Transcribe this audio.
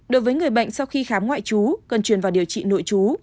đối với người bệnh sau khi khám ngoại chú cần chuyển vào điều trị nội chú